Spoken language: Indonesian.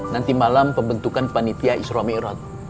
nanti malam pembentukan panitia isromirot